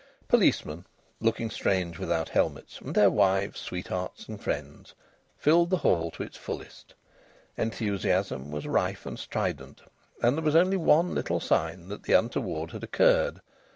Policemen (looking strange without helmets) and their wives, sweethearts, and friends, filled the hall to its fullest; enthusiasm was rife and strident; and there was only one little sign that the untoward had occurred.